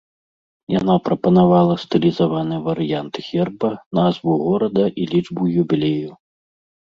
Яна прапанавала стылізаваны варыянт герба, назву горада і лічбу юбілею.